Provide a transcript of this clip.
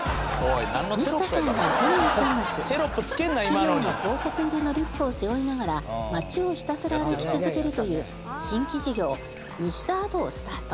ニシダさんは去年３月企業の広告入りのリュックを背負いながら街をひたすら歩き続けるという新規事業「ニシダ・アド」をスタート。